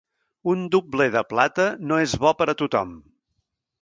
Un dobler de plata no és bo per a tothom.